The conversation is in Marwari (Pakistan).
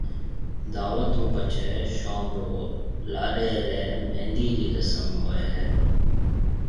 دعوت ھون پڇَي شوم رو لاڏَي ري مھندِي رِي رسم ھوئيَ ھيََََ